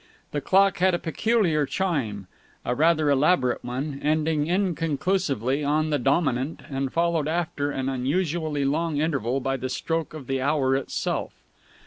The clock had a peculiar chime, a rather elaborate one, ending inconclusively on the dominant and followed after an unusually long interval by the stroke of the hour itself.